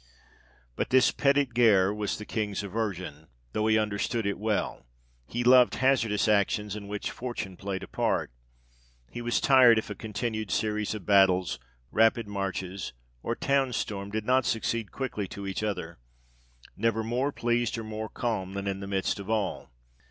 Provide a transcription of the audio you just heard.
But this petite guerre was the King's aversion, though he understood it well ; he loved hazardous actions in which fortune played a part ; he was tired if a continued series of battles, rapid marches, or towns stormed, did not succeed quickly to each other ; never more pleased, or more calm, than in the midst of all.